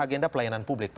agenda pelayanan publik